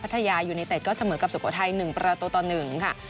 พัทยายูนิเต็ตก็เสมอกับสุโปรไทย๑ประตูต่อหนึ่งค่ะ